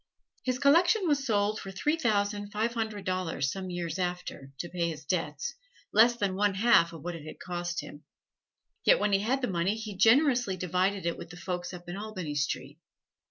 His collection was sold for three thousand five hundred dollars some years after to pay his debts less than one half of what it had cost him. Yet when he had money he generously divided it with the folks up in Albany Street.